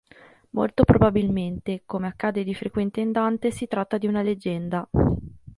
Molto probabilmente, come accade di frequente in Dante, si tratta di una leggenda.